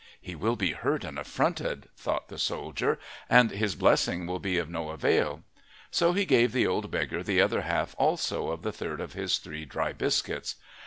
"He will be hurt and affronted," thought the soldier, "and his blessing will be of no avail." So he gave the old beggar the other half also of the third of his three dry biscuits.